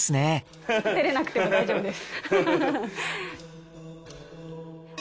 照れなくても大丈夫です。